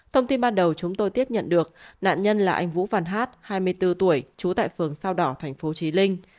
thông tin ban đầu chúng tôi tiếp nhận được nạn nhân là anh vũ văn hát hai mươi bốn tuổi trú tại phường sao đỏ tp chí linh